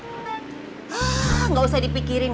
hah gak usah dipikirin